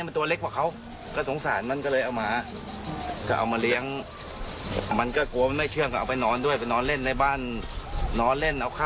เนื่องจากเข้ามาทุกธวัฒน์